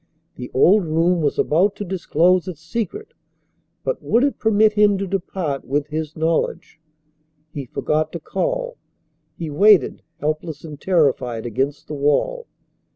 The old room was about to disclose its secret, but would it permit him to depart with his knowledge? He forgot to call. He waited, helpless and terrified, against the wall.